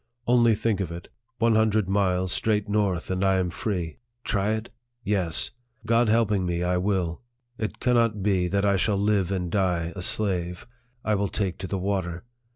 Only think of it ; one hundred miles straight north, and I am free ! Try it ? Yes ! God helping me, I will. It cannot be that I shall live and die a slave. I will take to the water.